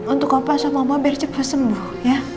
untuk opa sama oma biar cepat sembuh ya